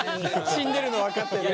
死んでるの分かってね。